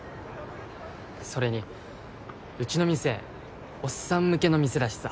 それにうちの店おっさん向けの店だしさ。